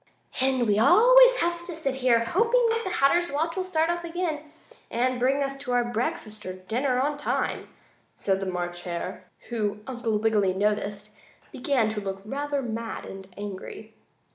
"And we always have to sit here, hoping the Hatter's watch will start off again, and bring us to breakfast or dinner on time," said the March Hare, who, Uncle Wiggily noticed, began to look rather mad and angry.